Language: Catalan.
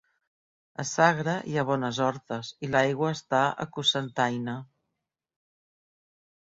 A Sagra hi ha bones hortes i l’aigua està a Cocentaina.